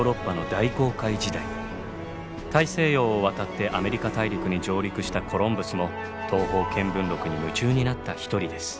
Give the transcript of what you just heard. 大西洋を渡ってアメリカ大陸に上陸したコロンブスも「東方見聞録」に夢中になった一人です。